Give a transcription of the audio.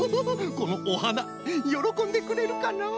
このおはなよろこんでくれるかのう？